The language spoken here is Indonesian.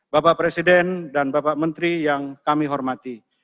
bapak presiden dan bapak menteri yang kami hormati